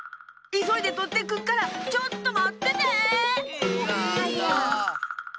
いそいでとってくっからちょっとまってて！